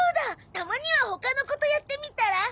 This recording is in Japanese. たまには他の子とやってみたら？